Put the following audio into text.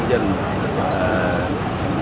và gia đình tham gia vụ tai nạn